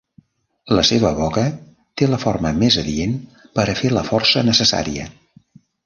La seva boca té la forma més adient per a fer la força necessària.